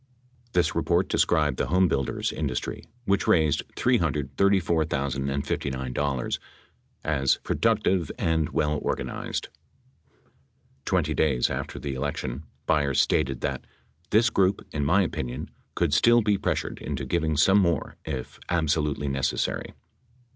This report described the homebuilders industry, which raised $334, 059, as "productive and well organized." Twenty days after the elec tion, Byers stated that: "This group, in my opinion, could still be pressured into giving some more if absolutely necessary."